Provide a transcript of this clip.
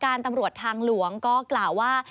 ตำรวจทางหลวงก็กล่าวว่า